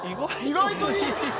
意外といい！